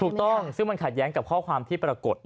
ถูกต้องซึ่งมันขัดแย้งกับข้อความที่ปรากฏ